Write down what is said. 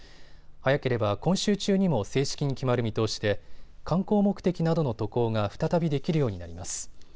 早ければ今週中にも正式に決まる見通しで観光目的などの渡航が再びできるようになります。